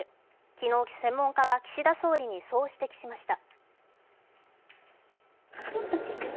昨日、専門家は岸田総理にそう指摘しました。